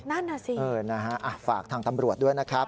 นั่นน่ะสินะฮะฝากทางตำรวจด้วยนะครับ